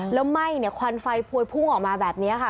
แล้วไหม้เนี่ยควันไฟพวยพุ่งออกมาแบบนี้ค่ะ